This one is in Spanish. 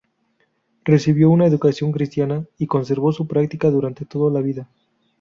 Recibió una educación cristiana y conservó su práctica durante toda la vida.